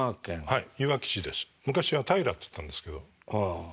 はい。